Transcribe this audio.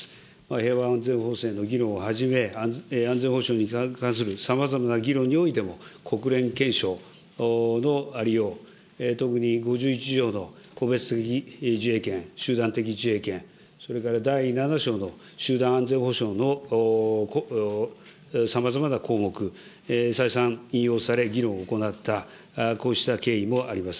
平和安全法制の議論をはじめ、安全保障に関するさまざまな議論においても、国連憲章のありよう、特に５１条の個別的自衛権、集団的自衛権、それから第７章の集団安全保障のさまざまな項目、再三引用され、議論を行った、こうした経緯もあります。